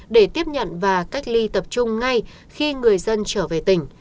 để tiếp nhận và cách ly tập trung ngay khi người dân trở về tỉnh